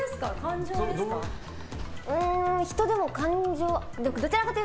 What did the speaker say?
人でも感情。